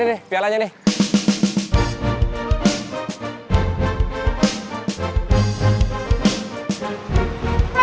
eh ini nih pialanya nih